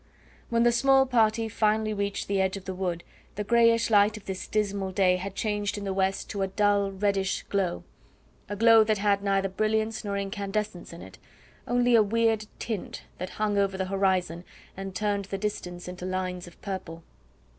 When the small party finally reached the edge of the wood the greyish light of this dismal day had changed in the west to a dull reddish glow a glow that had neither brilliance nor incandescence in it; only a weird tint that hung over the horizon and turned the distance into lines of purple.